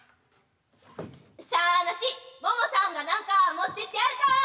しゃあなしモモさんが何か持っていってやるか！